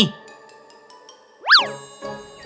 aku akan mencari